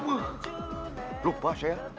wah lupa saya